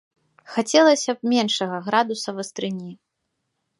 Хацелася б меншага градуса вастрыні.